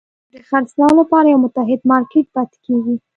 د خرڅلاو لپاره یو محدود مارکېټ پاتې کیږي.